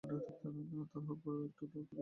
তাহার পরে একটু একটু করিয়া পরিচয় পাওয়া গেল।